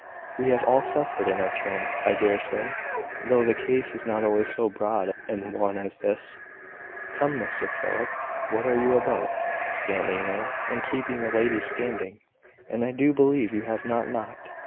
We have all suffered in our turn, I dare say, though the case is not always so broad an one as this. Come, Mr Philip, what are you about? Standing there, and keeping the ladies standing! and I do believe you have not knocked.